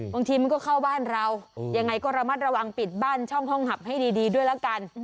บางทีมันก็เข้าบ้านเรายังไงก็ระมัดระวังปิดบ้านช่องห้องหับให้ดีด้วยแล้วกัน